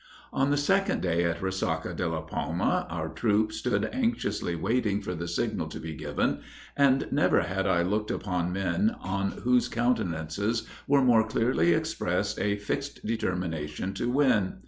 "On the second day, at Resaca de la Palma, our troop stood anxiously waiting for the signal to be given, and never had I looked upon men on whose countenances were more clearly expressed a fixed determination to win.